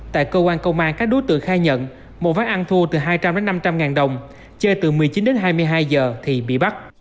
tại cơ quan công an các đối tượng khai nhận một ván ăn thua từ hai trăm linh năm trăm linh ngàn đồng chơi từ một mươi chín hai mươi hai giờ thì bị bắt